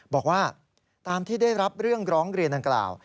บอกว่าตามที่ได้รับเรื่องร้องเรียนดังกล่าว